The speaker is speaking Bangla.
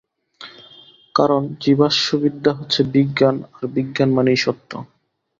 কারণ জীবাশ্মবিদ্যা হচ্ছে বিজ্ঞান, আর বিজ্ঞান মানেই সত্য।